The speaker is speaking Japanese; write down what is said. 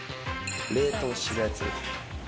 冷凍するやつ。